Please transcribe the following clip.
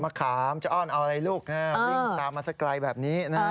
ขามจะอ้อนเอาอะไรลูกวิ่งตามมาสักไกลแบบนี้นะฮะ